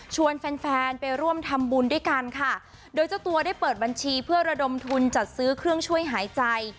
แฟนแฟนไปร่วมทำบุญด้วยกันค่ะโดยเจ้าตัวได้เปิดบัญชีเพื่อระดมทุนจัดซื้อเครื่องช่วยหายใจ